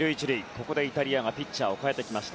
ここでイタリアがピッチャーを代えてきました。